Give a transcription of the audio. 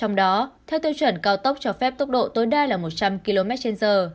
trong đó theo tiêu chuẩn cao tốc cho phép tốc độ tối đa là một trăm linh km trên giờ